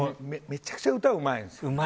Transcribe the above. めちゃくちゃ歌うまいんですよ。